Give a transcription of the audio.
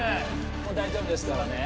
もう大丈夫ですからね